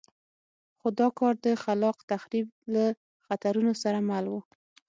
خو دا کار د خلاق تخریب له خطرونو سره مل وو.